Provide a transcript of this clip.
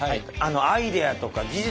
アイデアとか技術